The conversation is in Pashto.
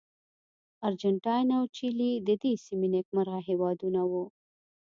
ارجنټاین او چیلي د دې سیمې نېکمرغه هېوادونه وو.